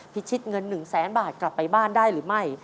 พิชิตเงิน๑แสนบาทกลับไปบ้านได้หรือไม่